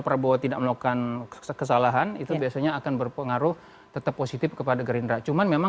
prabowo tidak melakukan kesalahan itu biasanya akan berpengaruh tetap positif kepada gerindra cuman memang